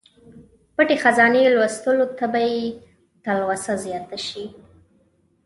پټې خزانې لوستلو ته به یې تلوسه زیاته شي.